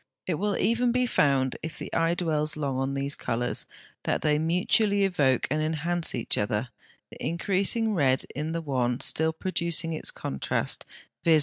It will even be found, if the eye dwells long on these colours, that they mutually evoke and enhance each other, the increasing red in the one still producing its contrast, viz.